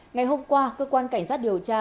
ngày hôm qua cơ quan cảnh sát điều tra